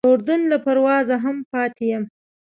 د اردن له پروازه هم پاتې یم.